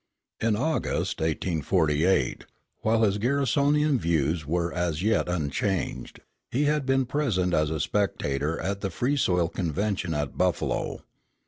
In August, 1848, while his Garrisonian views were as yet unchanged, he had been present as a spectator at the Free Soil Convention at Buffalo.